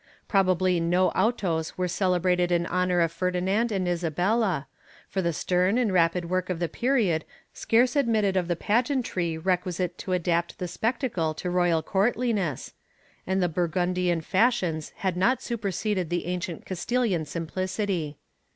Probably no autos were celebrated in honor of Ferdinand and Isabella, for the stern and rapid work of the period scarce admitted of the pageantry requisite to adapt the spectacle to royal courth ness, and the Burgundian fashions had not superseded the ancient Castilian simplicity.